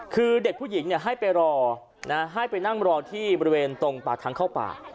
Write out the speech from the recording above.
คือเด็กผู้หญิงให้ไปรอให้ไปนั่งรอที่บริเวณตรงปากทางเข้าป่า